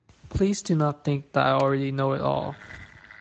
Please do not think that I already know it all.